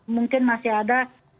mungkin masih ada